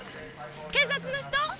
警察の人？